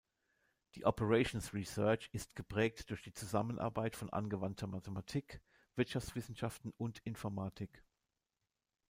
Die Operations Research ist geprägt durch die Zusammenarbeit von Angewandter Mathematik, Wirtschaftswissenschaften und Informatik.